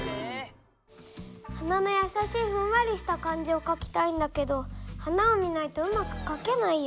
花のやさしいふんわりした感じをかきたいんだけど花を見ないとうまくかけないよ。